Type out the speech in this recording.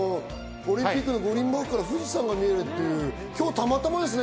オリンピックの五輪マークから富士山が見えるっていうか、今日たまたまですか？